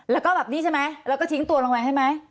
แล้วก็แบบนี้ใช่ไหมแล้วก็ทิ้งตัวลงไปใช่ไหม